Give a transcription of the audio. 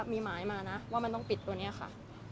มีหมายมานะว่ามันต้องปิดตัวนี้ค่ะ